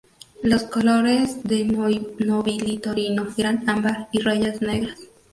Los colores de Nobili Torino eran ámbar y rayas negras.